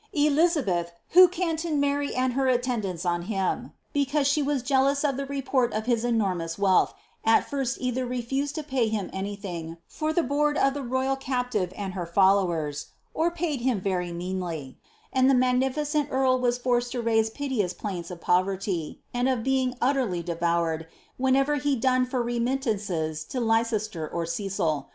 Elizabeth, who cantoned Mary and her attendants on him, because she was jealous of the report of his enormous wealth, at first either refused to pay him anything for the board of the royal captive and her followers, or paid him very meanly, and the magnificent earl was forced to raise piteous plaints of poverty, and of being utterly devoured, whenever he dunned for remittances to Leicester or Cecil.